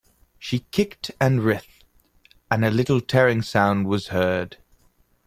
She kicked and writhed, and a little tearing sound was heard.